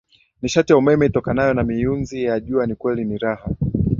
nishati ya umeme itokanayo na miyunzi ya jua ni kweli ni raha